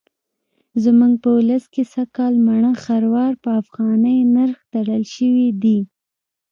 زموږ په ولس کې سږکال مڼه خروار په افغانۍ نرخ تړل شوی دی.